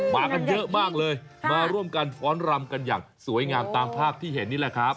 มากันเยอะมากเลยมาร่วมกันฟ้อนรำกันอย่างสวยงามตามภาพที่เห็นนี่แหละครับ